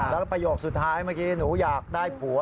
แล้วก็ประโยคสุดท้ายหนูอยากได้ผัว